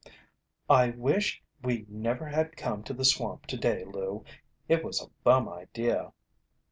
"I wish we never had come to the swamp today, Lou. It was a bum idea."